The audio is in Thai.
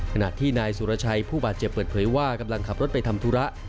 ขณะที่นายสุรชัยผู้บาดเจ็บเปิดเผยว่ากำลังขับรถไปทำธุระ